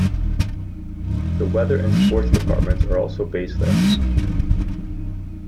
The weather and sports departments are also based there.